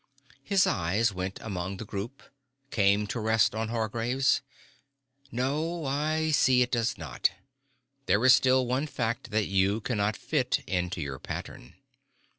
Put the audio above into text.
His eyes went among the group, came to rest on Hargraves. "No, I see it does not. There is still one fact that you cannot fit into your pattern."